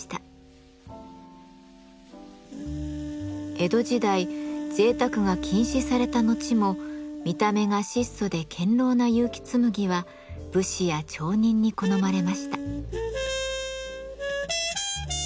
江戸時代ぜいたくが禁止された後も見た目が質素で堅牢な結城紬は武士や町人に好まれました。